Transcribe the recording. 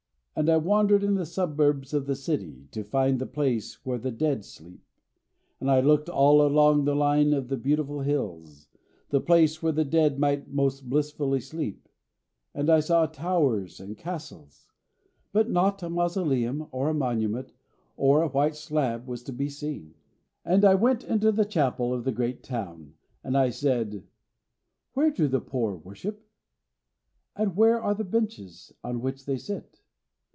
"And I wandered in the suburbs of the city to find the place where the dead sleep, and I looked all along the line of the beautiful hills, the place where the dead might most blissfully sleep, and I saw towers and castles, but not a mausoleum or a monument or a white slab was to be seen. And I went into the chapel of the great town, and I said: 'Where do the poor worship, and where are the benches on which they sit?'